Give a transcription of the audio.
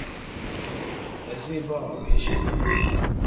Ez ê biavêjim.